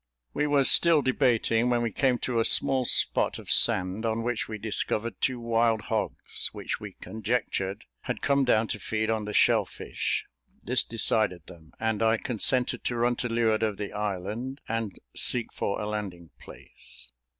We were still debating, when we came to a small spot of sand, on which we discovered two wild hogs, which we conjectured had come down to feed on the shell fish; this decided them, and I consented to run to leeward of the island, and seek for a landing place.